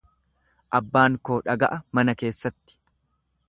Abbaan koo dhaga'a mana keessatti.